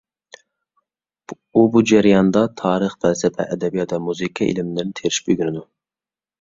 ئۇ بۇ جەرياندا تارىخ، پەلسەپە، ئەدەبىيات ۋە مۇزىكا ئىلمىنى تىرىشىپ ئۆگىنىدۇ.